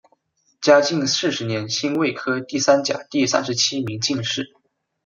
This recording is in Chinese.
嘉靖四十年辛未科第三甲第三十七名进士。